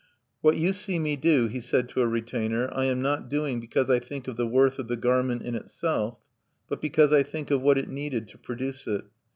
"What you see me do," he said to a retainer, "I am not doing because I think of the worth of the garment in itself, but because I think of what it needed to produce it.